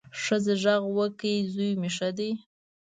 ښځه غږ وکړ، زوی مې ښه دی.